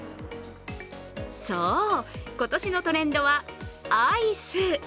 そう、今年のトレンドは、アイス。